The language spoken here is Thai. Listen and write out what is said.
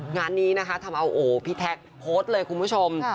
งานนี้นะคะทำเอาโอ้พี่แท็กโพสต์เลยคุณผู้ชม